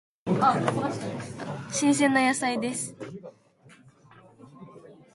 新鮮な野菜です。